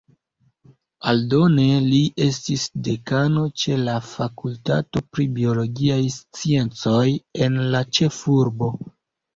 Aldone li estis dekano ĉe la fakultato pri biologiaj sciencoj en la ĉefurbo.